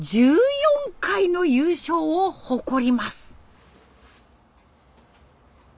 １４回の優勝を誇ります。